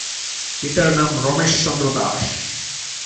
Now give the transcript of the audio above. পিতার নাম রমেশচন্দ্র দাস।